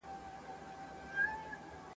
د حبیبي او د رشاد او بېنوا کلی دی !.